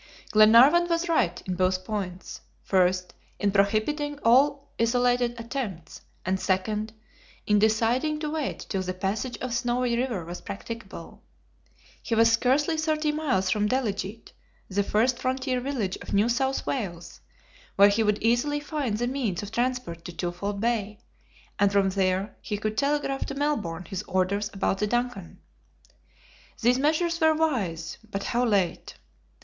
Glenarvan was right in both points; first in prohibiting all isolated attempts, and second, in deciding to wait till the passage of the Snowy River was practicable. He was scarcely thirty miles from Delegete, the first frontier village of New South Wales, where he would easily find the means of transport to Twofold Bay, and from there he could telegraph to Melbourne his orders about the DUNCAN. These measures were wise, but how late!